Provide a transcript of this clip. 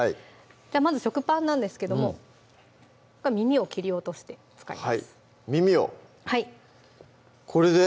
まず食パンなんですけども耳を切り落として使います耳をこれで？